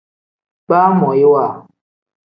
Baamoyiwa.